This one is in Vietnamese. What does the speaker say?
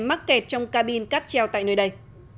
mắc kẹt trong cabin cáp treo tại nơi đây